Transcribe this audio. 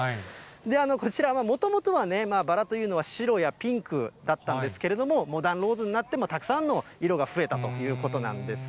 こちらは、もともとはバラというのは白やピンクだったんですけれども、モダンローズになって、たくさんの色が増えたということなんです。